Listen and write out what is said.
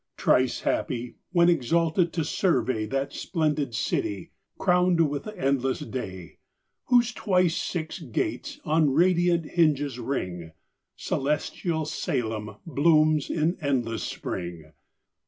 Thrice happy, when exalted to survey That splendid city, crown'd with endless day, Whose twice six gates on radiant hinges ring: Celestial Salem blooms in endless spring.